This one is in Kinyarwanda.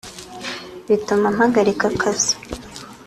bituma mpagarika akazi